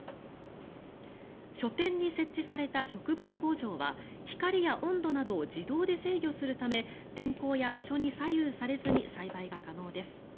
書店に設置された植物工場は光や温度などを自動で制御するため天候や場所に左右されずに栽培が可能です。